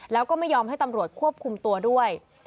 แล้วก็ไม่ยอมให้ตำรวจควบคุมตัวด้วย